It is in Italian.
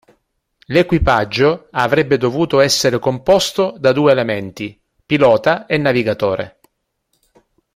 L'equipaggio avrebbe dovuto essere composto da due elementi: pilota e navigatore.